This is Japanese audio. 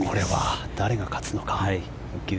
誰が勝つのか。